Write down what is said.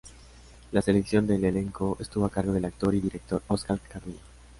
La selección del elenco estuvo a cargo del actor y director Óscar Carrillo.